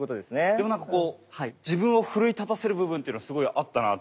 でもなんかこう自分を奮い立たせる部分っていうのはすごいあったなって。